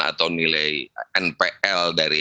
atau nilai npl dari